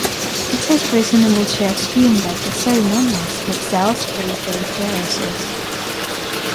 It is reasonable to assume that the ceremonials themselves pre-date Gelasius.